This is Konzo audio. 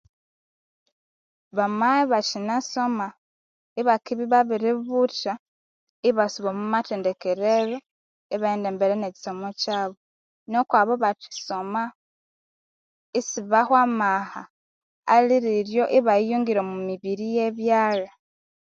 Bamabya ibakinasoma bakendibya babiributha ibasuba omwamathendekero ibaghenda embere nekisomo kyabu nokwabu abathisoma isebahwa amaha aliriryo ibayongera emibiri yebyalha